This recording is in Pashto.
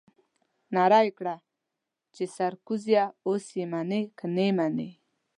نعره يې کړه چې سرکوزيه اوس يې منې که نه منې.